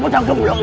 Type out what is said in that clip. tuh siar putraku